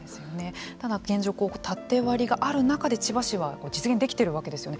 ただ現状縦割りがある中で千葉市は実現できているわけですよね。